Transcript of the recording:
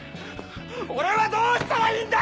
俺はどうしたらいいんだ！